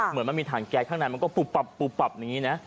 เหมือนมันมีถังแก๊สข้างในมันก็ปุบปับอย่างนี้นะ